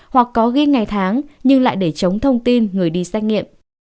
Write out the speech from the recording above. hoặc có ghi ngày tháng nhưng lại để chống thông tin người đi xét nghiệm